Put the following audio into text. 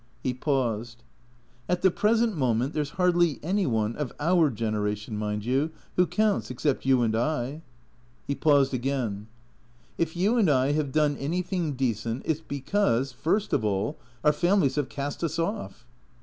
He paused. "At the present moment there's hardly any one — of our generation, mind you — who counts except you and I." He paused again. THECREATORS 11 " If you and I have done anytliing decent it 's because, first of all, our families have cast us off."